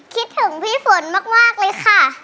คิดถึงพี่ฝนมากเลยค่ะ